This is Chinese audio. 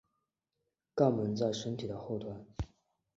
肛门在身体的后端。